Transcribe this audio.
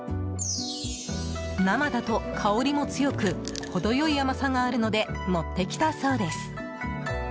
生だと香りも強く程良い甘さがあるので持ってきたそうです。